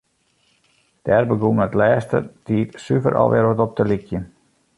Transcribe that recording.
Dêr begûn it de lêste tiid suver al wer wat op te lykjen.